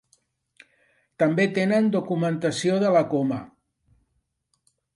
També tenen documentació de la Coma.